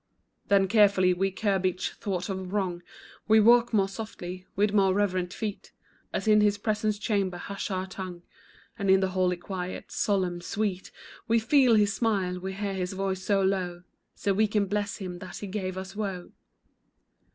Then carefully we curb each thought of wrong, We walk more softly, with more reverent feet As in His presence chamber, hush our tongue, And in the holy quiet, solemn, sweet, We feel His smile, we hear His voice so low, So we can bless Him that He gave us woe.